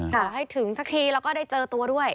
ขอให้ถึงสักทีแล้วก็ได้เจอตัวด้วย